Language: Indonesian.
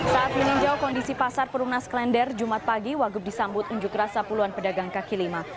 saat meninjau kondisi pasar perumnas klender jumat pagi wagub disambut unjuk rasa puluhan pedagang kaki lima